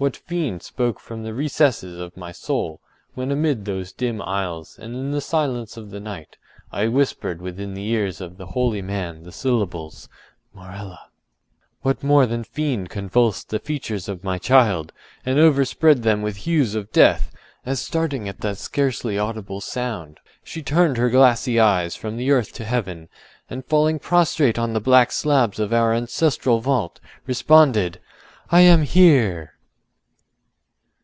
What fiend spoke from the recesses of my soul, when amid those dim aisles, and in the silence of the night, I whispered within the ears of the holy man the syllables—Morella? What more than fiend convulsed the features of my child, and overspread them with hues of death, as starting at that scarcely audible sound, she turned her glassy eyes from the earth to heaven, and falling prostrate on the black slabs of our ancestral vault, responded—“I am here!